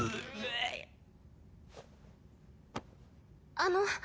あの。